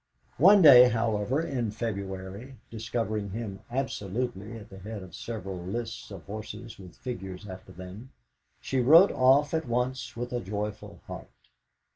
One day, however, in February, discovering him absolutely at the head of several lists of horses with figures after them, she wrote off at once with a joyful heart.